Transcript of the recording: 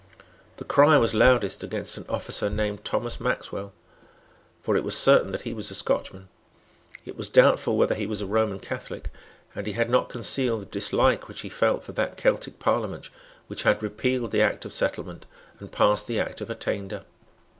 The cry was loudest against an officer named Thomas Maxwell. For it was certain that he was a Scotchman; it was doubtful whether he was a Roman Catholic; and he had not concealed the dislike which he felt for that Celtic Parliament which had repealed the Act of Settlement and passed the Act of Attainder.